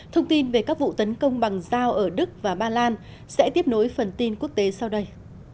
thông tin về các vụ tấn công bằng dao ở đức và ba lan sẽ tiếp nối phần tin quốc tế sau đây